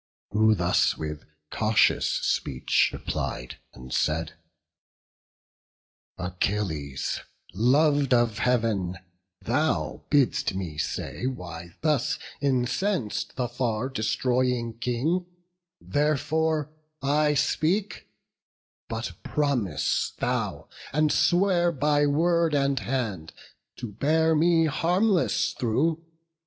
Who thus with cautious speech replied, and said; "Achilles, lov'd of Heav'n, thou bidd'st me say Why thus incens'd the far destroying King; Therefore I speak; but promise thou, and swear, By word and hand, to bear me harmless through.